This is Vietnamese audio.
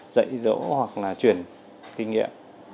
dạy dỗ hoặc là chuyển kinh nghiệm